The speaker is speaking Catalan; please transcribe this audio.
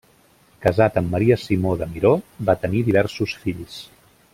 Casat amb Maria Simó de Miró, va tenir diversos fills.